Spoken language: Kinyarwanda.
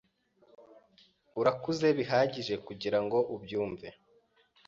Urakuze bihagije kugirango ubyumve.